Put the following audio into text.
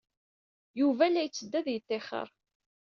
Yuba la yetteddu ad yettixer.